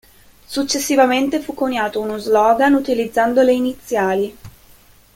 Successivamente fu coniato uno "slogan" utilizzando le iniziali.